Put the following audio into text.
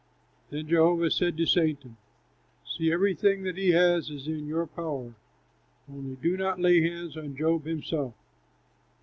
Then Jehovah said to Satan, "See, everything that he has is in your power; only do not lay hands on Job himself."